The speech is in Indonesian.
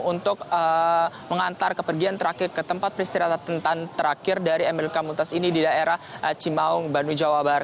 untuk mengantar kepergian terakhir ke tempat peristirahatan terakhir dari mlk muntas ini di daerah cimaung bandung jawa barat